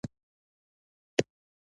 انا له زوی زاری کوي